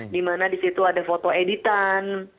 di mana di situ ada foto editan